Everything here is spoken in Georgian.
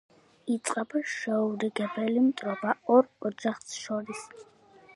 იწყება შეურიგებელი მტრობა ორ ოჯახს შორის.